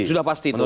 sudah pasti kenapa